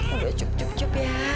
udah cukup cukup ya